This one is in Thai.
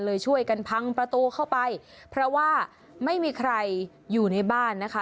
ช่วยกันพังประตูเข้าไปเพราะว่าไม่มีใครอยู่ในบ้านนะคะ